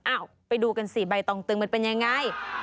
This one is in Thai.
ไปดูกันสิใบตองตึงมันเป็นยังไง